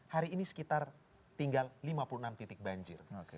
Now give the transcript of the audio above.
hari ini sekitar tinggal lima puluh enam titik banjir